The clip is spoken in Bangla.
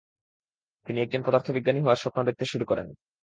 তিনি একজন পদার্থবিজ্ঞানী হওয়ার স্বপ্ন দেখতে শুরু করেন।